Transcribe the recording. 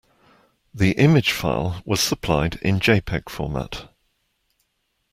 The image file was supplied in jpeg format.